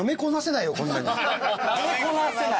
「なめこなせない」